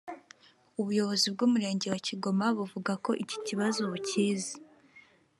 ubuyobozi bw’umurenge wa Kigoma buvuga ko iki kibazo bukizi